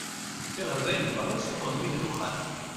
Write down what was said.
Iɣerdayen n berra ssufɣen wid n uxxam.